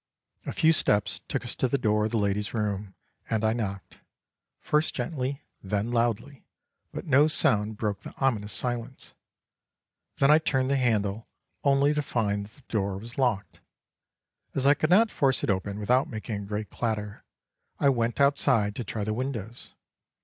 A few steps took us to the door of the lady's room, and I knocked, first gently, then loudly, but no sound broke the ominous silence. Then I turned the handle, only to find that the door was locked. As I could not force it open without making a great clatter, I went outside to try the windows.